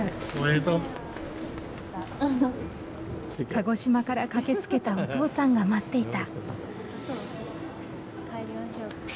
鹿児島から駆けつけたお父さんが待っていた。